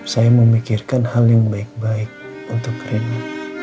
saya memikirkan hal yang baik baik untuk rindu